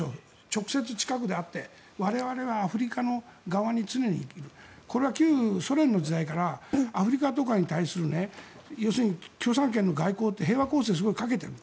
直接、近くで会って我々はアフリカの側に常にいるこれは旧ソ連の時代からアフリカには共産圏が平和攻勢をすごいかけてる。